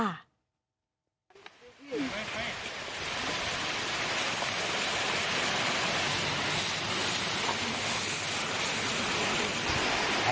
ับ